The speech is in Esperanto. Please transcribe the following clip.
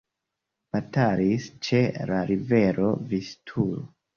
Batalis ĉe la rivero Vistulo.